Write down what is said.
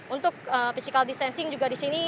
untuk physical distancing juga di sini